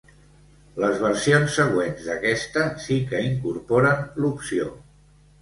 Les versions següents d'aquesta sí que incorporen l'opció.